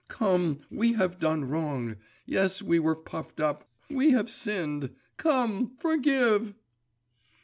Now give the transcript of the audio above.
Come, we have done wrong! yes, we were puffed up, we have sinned; come, forgive!